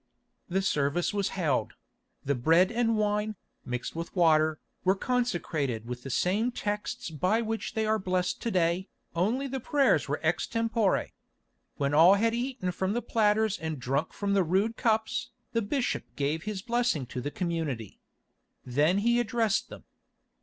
The service was held; the bread and wine, mixed with water, were consecrated with the same texts by which they are blessed to day, only the prayers were extempore. When all had eaten from the platters and drunk from the rude cups, the bishop gave his blessing to the community. Then he addressed them.